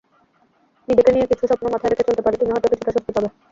নিজেকে নিয়ে কিছু স্বপ্ন মাথায় রেখে চলতে পারলে তুমি হয়তো কিছুটা স্বস্তি পাবে।